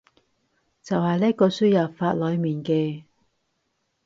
就係呢個輸入法裏面嘅